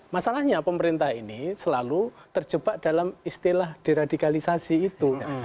masalahnya pemerintah ini selalu terjebak dalam istilah deradikalisasi itu